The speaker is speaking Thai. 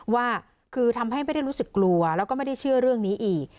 ว่าคือทำให้ไม่ได้รู้สึกกลัวแล้วก็ไม่ได้เชื่อเรื่องนี้อีก